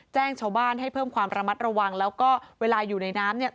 แจ้งชาวบ้านให้เพิ่มความระมัดระวังแล้วก็เวลาอยู่ในน้ำเนี่ย